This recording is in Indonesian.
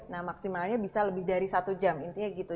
nah maksimalnya bisa lebih dari satu jam intinya gitu